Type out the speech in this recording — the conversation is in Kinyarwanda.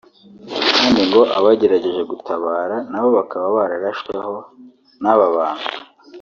kandi ngo abagerageje gutabara nabo bakaba bararashweho n’aba bantu